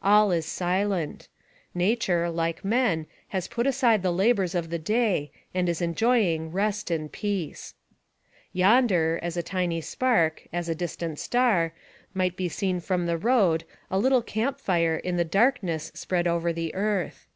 All is silent. Nature, like man, has put aside the labors of the day, and is enjoying rest and peace. Yonder, as a tiny spark, as a distant star, might be seen from the road a little camp fire in the darkness spread over the earth.